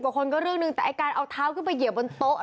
กว่าคนก็เรื่องหนึ่งแต่ไอ้การเอาเท้าขึ้นไปเหยียบบนโต๊ะ